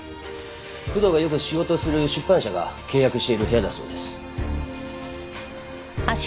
工藤がよく仕事する出版社が契約している部屋だそうです。